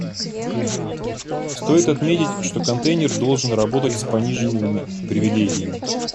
Стоит отметить, что контейнер должен работать с пониженными привилегиями